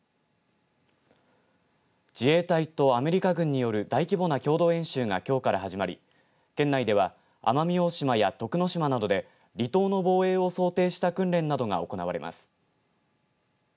自衛隊とアメリカ軍による大規模な共同演習がきょうから始まり県内では奄美大島や徳之島などで離島の防衛を想定した訓練などが行われます。